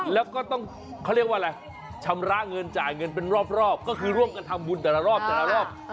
แล้วก็ต้องเขาเรียกว่าอะไรชำระเงินจ่ายเงินเป็นรอบก็คือร่วมกันทำบุญแต่ละรอบแต่ละรอบ